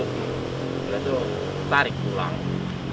terus tuh tarik pulang